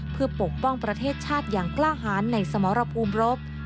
เพื่อปกป้องประเทศชาติอย่างกล้าหารในสมรภูมิรบ